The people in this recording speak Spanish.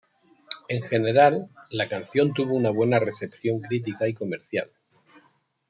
En general, la canción tuvo una buena recepción crítica y comercial.